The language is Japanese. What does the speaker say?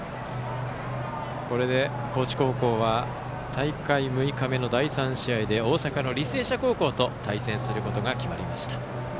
これで高知高校は大会６日目の第３試合で大阪の履正社高校と対戦することが決まりました。